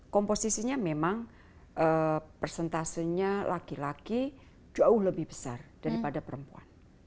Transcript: komposisinya memang persentasenya laki laki jauh lebih besar daripada perempuan